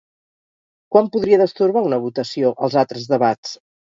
Quan podria destorbar una votació els altres debats?